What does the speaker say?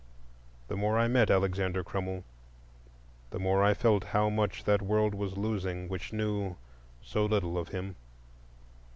The more I met Alexander Crummell, the more I felt how much that world was losing which knew so little of him.